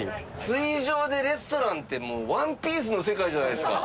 水上でレストランってもう『ＯＮＥＰＩＥＣＥ』の世界じゃないですか。